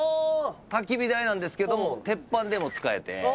焚き火台なんですけども鉄板でも使えてああ